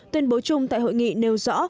tuyên bố chung tại hội nghị nêu rõ